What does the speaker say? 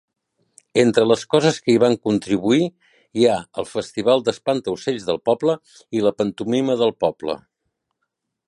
Entre les coses que hi van contribuir hi ha el festival d'espantaocells del poble i la pantomima del poble.